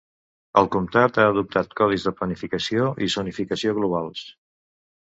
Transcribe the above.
El comptat ha adoptat codis de planificació i zonificació globals.